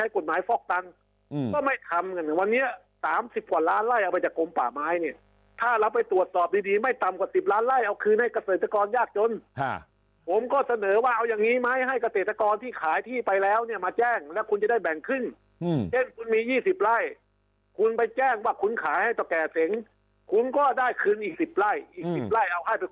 คุณก็ได้คืนอีกสิบไร่อีกสิบไร่เอาให้เป็นคนจนรายอื่น